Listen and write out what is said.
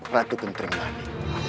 ratu kentering lani